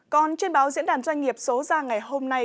còn trên báo diễn đàn doanh nghiệp số ra ngày hôm nay